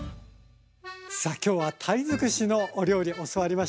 さあ今日は鯛尽くしのお料理教わりました。